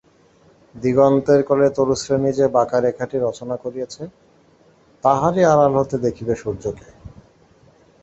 দিগন্তের কোলে তরুশ্রেণী যে বাঁকা রেখাঁটি রচনা করিয়াছে তাহারই আড়াল হইতে দেখিবে সূর্যকে।